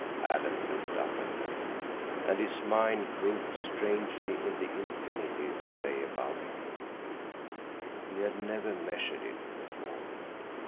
Alan looked up at them, and his mind groped strangely in the infinity that lay above him. He had never measured it before.